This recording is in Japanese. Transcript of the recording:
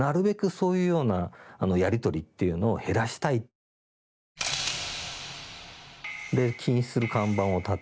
そういうようなやり取りっていうのを減らしたい。で禁止する看板を立てる。